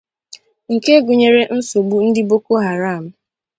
nke gụnyere nsogbu ndị Boko Haram